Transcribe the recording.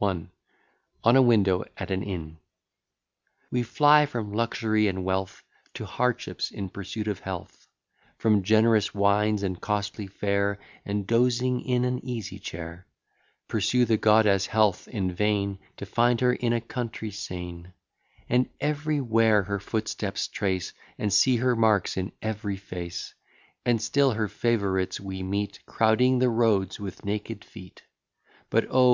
ON A WINDOW AT AN INN We fly from luxury and wealth, To hardships, in pursuit of health; From generous wines, and costly fare, And dozing in an easy chair; Pursue the goddess Health in vain, To find her in a country scene, And every where her footsteps trace, And see her marks in every face; And still her favourites we meet, Crowding the roads with naked feet. But, oh!